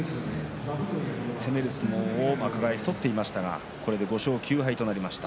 攻める相撲をお互い、取ってましたがこれで５勝９敗となりました。